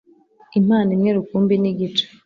Impano imwe rukumbi ni igice